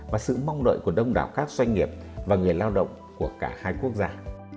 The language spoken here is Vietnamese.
và sự mong đợi của đông đảo các doanh nghiệp và người lao động của cả hai quốc gia